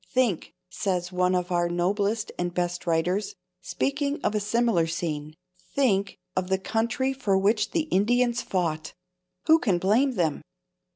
"Think," says one of our noblest and best writers, speaking of a similar scene—"think of the country for which the Indians fought! Who can blame them?